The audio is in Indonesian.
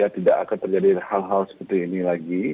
tidak akan terjadi hal hal seperti ini lagi